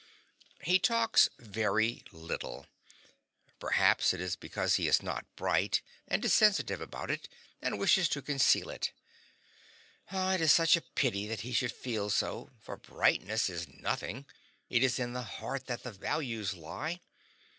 He talks very little. Perhaps it is because he is not bright, and is sensitive about it and wishes to conceal it. It is such a pity that he should feel so, for brightness is nothing; it is in the heart that the values lie.